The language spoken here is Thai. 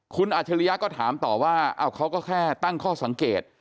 คุณอัจฉริยะก็ถามต่อว่าเขาก็แค่ตั้งข้อสังเกต